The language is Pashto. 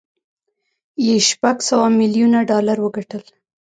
یې شپږ سوه ميليونه ډالر وګټل